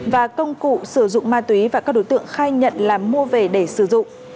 và công cụ sử dụng ma túy và các đối tượng khai nhận là mua về để sử dụng